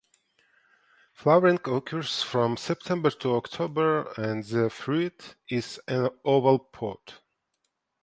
Flowering occurs from September to October and the fruit is an oval pod.